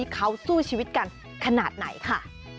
เขาสู้ชีวิตกันขนาดไหนค่ะ